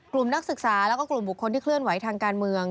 นักศึกษาแล้วก็กลุ่มบุคคลที่เคลื่อนไหวทางการเมือง